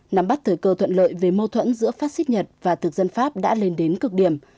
nắm bắt thời cơ thuận lợi về mâu thuẫn giữa phát xít nhật và thực dân pháp đã lên đến cực điểm